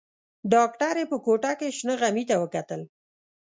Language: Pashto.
ډاکټرې په ګوته کې شنه غمي ته وکتل.